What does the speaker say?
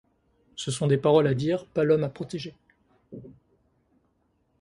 Ce sont des paroles à dire par l'homme à protéger.